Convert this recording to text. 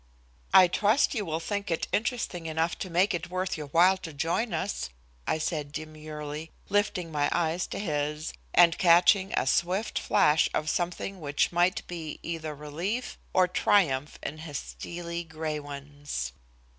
"I trust you will think it interesting enough to make it worth your while to join us," I said demurely, lifting my eyes to his and catching a swift flash of something which might be either relief or triumph in his steely gray ones.